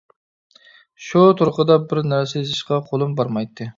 شۇ تۇرقىدا بىر نەرسە يېزىشقا قۇلۇم بارمايتتى.